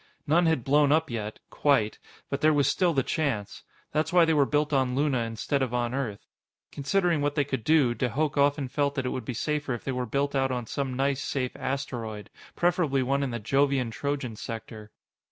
None had blown up yet quite but there was still the chance. That's why they were built on Luna instead of on Earth. Considering what they could do, de Hooch often felt that it would be safer if they were built out on some nice, safe asteroid preferably one in the Jovian Trojan sector.